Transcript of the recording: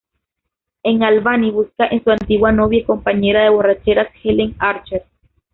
En Albany busca a su antigua novia y compañera de borracheras, Helen Archer.